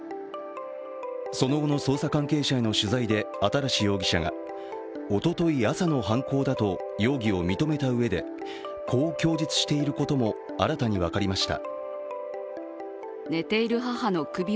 その後の捜査関係者への取材で新容疑者がおととい朝の犯行だと容疑を認めたうえでこう供述していることも新たに分かりました。